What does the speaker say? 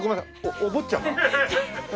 お坊ちゃま？